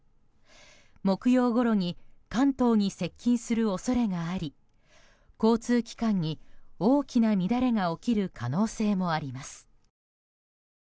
木曜ごろに関東に接近する恐れがあり交通機関に大きな乱れが起きる可能性もあります。